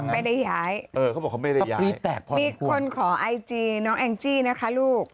ไม่ได้ย้ายต้องกรี๊ดแตกพ่ออย่างนี้พูดมีคนขอไอจีน้องแองจี้นะคะลูก